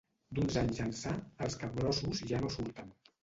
D'uns anys ençà, els capgrossos ja no surten.